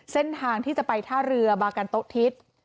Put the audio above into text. เส้นทางที่จะไปท่าเรือบากันโต๊ะทิศ